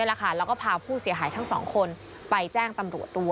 แล้วก็พาผู้เสียหายทั้งสองคนไปแจ้งตำรวจตัว